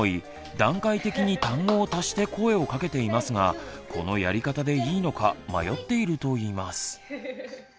段階的に単語を足して声をかけていますがこのやり方でいいのか迷っているといいます。